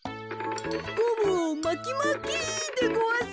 ゴムをまきまきでごわす。